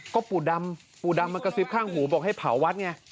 ก็ปู่ดำมันกระซิบข้างหูบอกให้เผาวัดเนี่ย